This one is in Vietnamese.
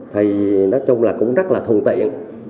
thì nói chung là cũng rất là thùng tiện